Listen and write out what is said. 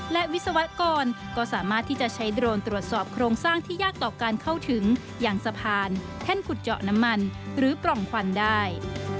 และวิศวกรก็สามารถที่จะใช้โดรนตรวจสอบโครงสร้างที่ยากต่อการเข้าถึงอย่างสะพานแท่นขุดเจาะน้ำมันหรือปล่องควันได้